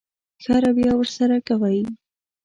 ښه رويه ورسره کوئ.